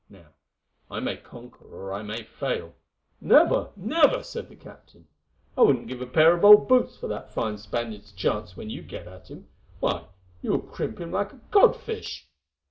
Now, I may conquer or I may fail——" "Never!—never!" said the captain. "I wouldn't give a pair of old boots for that fine Spaniard's chance when you get at him. Why, you will crimp him like a cod fish!"